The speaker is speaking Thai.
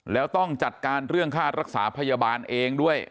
แล้วต้องจัดการเรื่องค่ารักษาพยาบาลเองด้วย